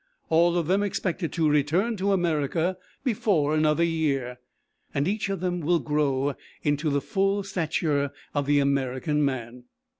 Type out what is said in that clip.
All of them expected to return to America before another year, and each of them will grow into the full stature of the American man.